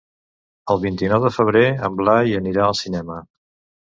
El vint-i-nou de febrer en Blai anirà al cinema.